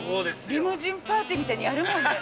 リムジンパーティーみたいなのやるもんね。